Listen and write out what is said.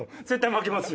負けますよ！